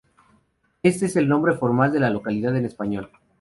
Este es el nombre formal de la localidad en español.